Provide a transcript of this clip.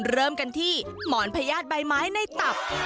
เริ่มกันที่หมอนพญาติใบไม้ในตับ